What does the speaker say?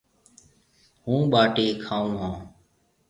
هُون ٻاٽِي کاون هون۔